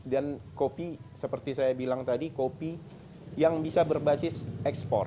dan kopi seperti saya bilang tadi kopi yang bisa berbasis ekspor